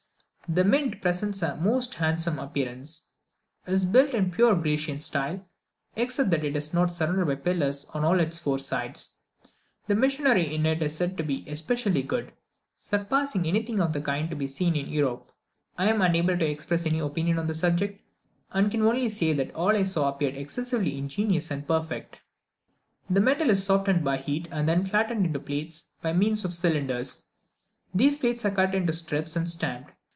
The Mint presents a most handsome appearance; it is built in the pure Grecian style, except that it is not surrounded by pillars on all its four sides. The machinery in it is said to be especially good, surpassing anything of the kind to be seen even in Europe. I am unable to express any opinion on the subject, and can only say that all I saw appeared excessively ingenious and perfect. The metal is softened by heat and then flattened into plates by means of cylinders. These plates are cut into strips and stamped.